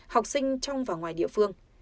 học sinh trong và ngoài địa phương